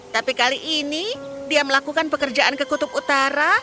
tapi kali ini dia melakukan pekerjaan ke kutub utara